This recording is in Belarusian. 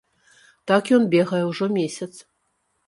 Так ён бегае ўжо месяц.